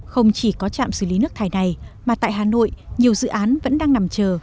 không chỉ có trạm xử lý nước thải này mà tại hà nội nhiều dự án vẫn đang nằm chờ